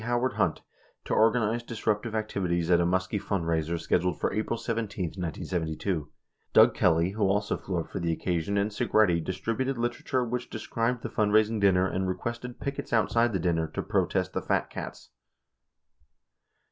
Howard Hunt to organize disruptive activities at a Muskie fundraiser scheduled for April 17, 1972. Doug Kelly, who also flew up for the occasion, and Segretti distributed literature which described the fundraising dinner and re quested pickets outside the dinner to "protest the fat cats."